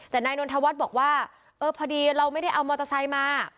แต่นายนนทวัฒน์บอกว่าเออพอดีเราไม่ได้เอามอเตอร์ไซค์มา